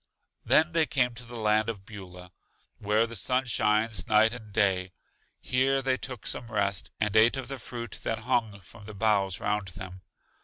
Then they came to the land of Beulah, where the sun shines night and day. Here they took some rest, and ate of the fruit that hung from the boughs round them.